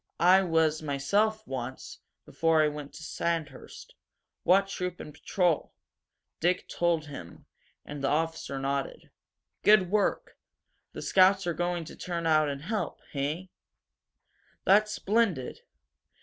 I was myself, once before I went to Sandhurst. What troop and patrol?" Dick told him, and the officer nodded. "Good work!" he said. "The scouts are going to turn out and help, he? That's splendid!